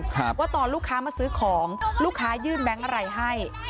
ว่าตอนลูกค้ามาซื้อของลูกค้ายื่นแบงค์อะไรให้